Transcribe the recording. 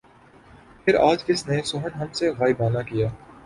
پھر آج کس نے سخن ہم سے غائبانہ کیا